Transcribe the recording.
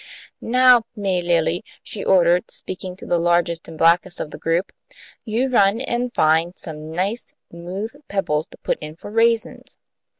"Now, May Lilly," she ordered, speaking to the largest and blackest of the group, "you run an' find some nice 'mooth pebbles to put in for raisins.